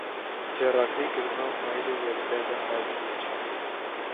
Ձեռագրի գրման վայրը և տեղը հայտնի չէ։